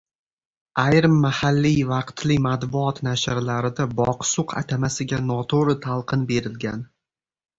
Ayrim mahalliy vaqtli matbuot nashrlarida “Boqsuq” atamasiga notoʻgʻri talqin berilgan.